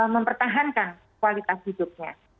mempertahankan kualitas hidupnya